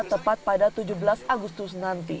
tepat pada tujuh belas agustus nanti